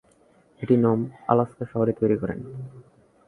এটি Nome, Alaska শহরে তৈরি করেন।